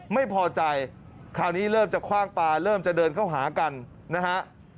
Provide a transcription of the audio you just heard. ไม่พอใจคราวนี้เริ่มจะคว่างปลาเริ่มจะเดินเข้าหากันนะฮะ